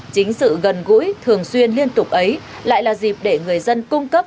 chính sự gần gũi thường xuyên liên tục ấy lại là dịp để người dân cung cấp